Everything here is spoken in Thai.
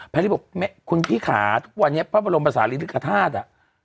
รีบบอกคุณพี่ขาทุกวันนี้พระบรมศาลีริกฐาตุอ่ะ